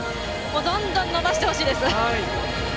どんどん伸ばしてほしいです！